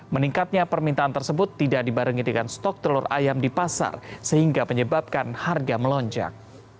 meningkatnya permintaan tersebut tidak dibarengi dengan stok telur ayam di pasar sehingga menyebabkan harga melonjak